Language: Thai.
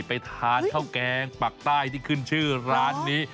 ไปทานข้าวแกงปักใต้ที่ขึ้นชื่อร้านนี้